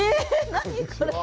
何これ？